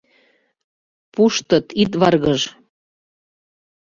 Пуштыт— Ит варгыж!